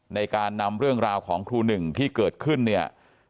ในการนำเรื่องราวของครูหนึ่งที่เกิดขึ้นเนี่ย